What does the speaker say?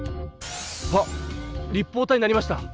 あっ立方体になりました。